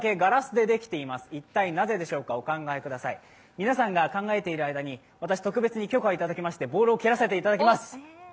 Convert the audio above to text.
皆さんが考えている間に、私、特別に許可をいただきましてボールを蹴らせていただきます。